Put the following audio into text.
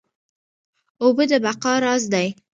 اوبه د بقا راز دي